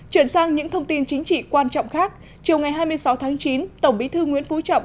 chuyển sang những thông tin chính trị quan trọng khác chiều ngày hai mươi sáu tháng chín tổng bí thư nguyễn phú trọng